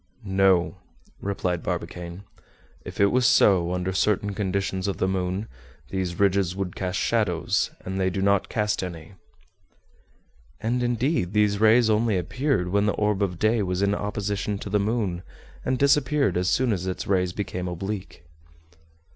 "No," replied Barbicane; "if it was so, under certain conditions of the moon, these ridges would cast shadows, and they do not cast any." And indeed, these rays only appeared when the orb of day was in opposition to the moon, and disappeared as soon as its rays became oblique.